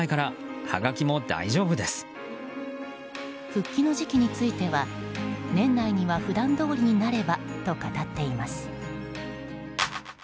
復帰の時期については年内には普段どおりになればと語っています。